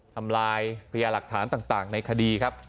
ทำลายพยาหลักฐานต่างในคดีครับ